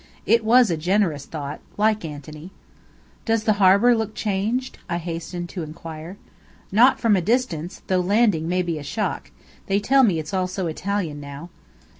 It was a generous thought like Antony!" "Does the harbour looked changed?" I hastened to inquire. "Not from a distance, though landing may be a shock: they tell me it's all so Italian now.